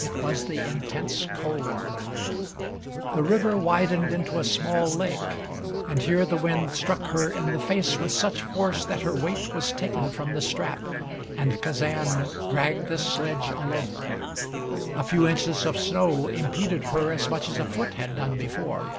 It was the intense cold. The river widened into a small lake, and here the wind struck her in the face with such force that her weight was taken from the strap, and Kazan dragged the sledge alone. A few inches of snow impeded her as much as a foot had done before.